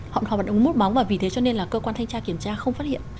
họ vận động nút bóng và vì thế cho nên là cơ quan thanh tra kiểm tra không phát hiện